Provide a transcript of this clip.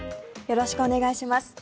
よろしくお願いします。